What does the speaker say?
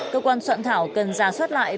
cơ quan soạn thảo cần ra soát lại